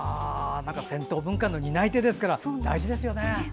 銭湯文化の担い手ですから大事ですよね。